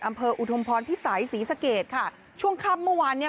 อำเภออุทุมพรพิสัยศรีสะเกดค่ะช่วงค่ำเมื่อวานเนี้ย